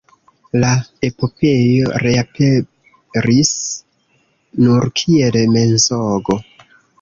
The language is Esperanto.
La epopeo reaperis nur kiel mensogo.